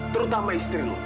terutama istri lo